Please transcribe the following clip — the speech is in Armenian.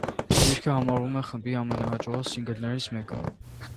Երգը համարվում է խմբի ամենահաջողակ սինգլներից մեկը։